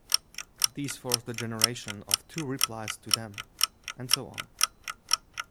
Those forced the generation of two replies to them, and so on.